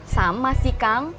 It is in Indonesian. sama sih kang